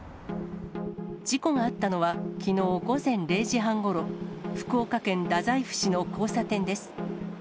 事故があったのは、きのう午前０時半ごろ、福岡県太宰府市の交差点です。